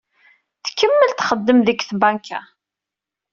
Tkemmel txeddem deg tbanka.